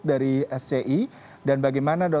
dari sci dan bagaimana